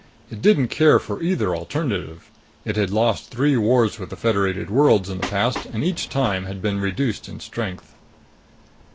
It didn't care for either alternative; it had lost three wars with the Federated worlds in the past and each time had been reduced in strength.